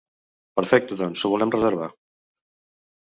Perfecte doncs ho volem reservar!